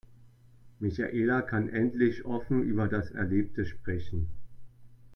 Michaela kann endlich offen über das Erlebte sprechen.